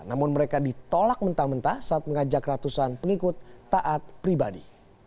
namun mereka ditolak mentah mentah saat mengajak ratusan pengikut taat pribadi